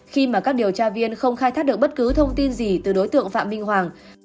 khi mà các điều tra viên không khai thác được bất cứ thông tin gì từ đối tượng phạm minh hoàng